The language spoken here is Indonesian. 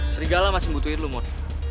serigala masih butuhin lo mon